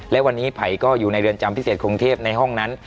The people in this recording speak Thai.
และวันนี้ไผ่ก็อยู่ในเรือนจำพิเศษกรุงเทพในห้องนั้น